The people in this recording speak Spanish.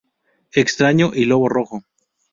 Extraño y Lobo Rojo.